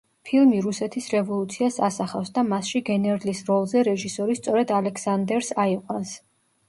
ფილმი რუსეთის რევოლუციას ასახავს და მასში გენერლის როლზე რეჟისორი სწორედ ალექსანდერს აიყვანს.